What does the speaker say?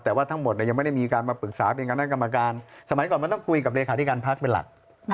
แต่ว่าทั้งหมดยังไม่ได้มีการมาปรึกษาเป็นคณะกรรมการสมัยก่อนมันต้องคุยกับเลขาธิการพักเป็นหลัก